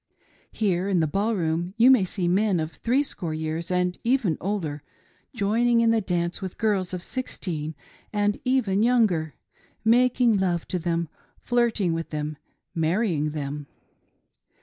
Here in the ball room you may see men of three score years and even older , joining in the dance with girls of sixteen and even younger — making love to them, flirting with them, marrying them.